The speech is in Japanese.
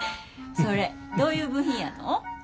それどういう部品やの？